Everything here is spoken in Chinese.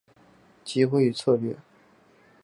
机会与策略